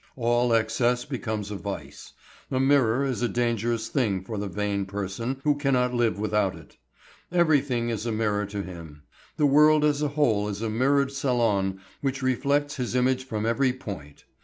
All excess becomes a vice. A mirror is a dangerous thing for the vain person who cannot live without it. Everything is a mirror to him. The world as a whole is a mirrored salon which reflects his image from every point.